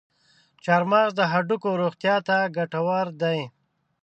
چارمغز د هډوکو روغتیا ته ګټور دی.